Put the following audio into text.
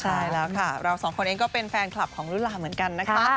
ใช่แล้วค่ะเราสองคนเองก็เป็นแฟนคลับของลุลาเหมือนกันนะคะ